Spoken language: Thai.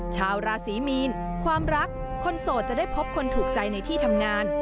ชาวราศีมีนความรักคนโสดจะได้พบคนถูกใจในที่ทำงาน